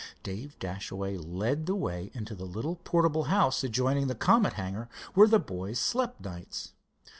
Dave Dashaway led the way into the little portable house adjoining the Comet hangar where the boys slept nights.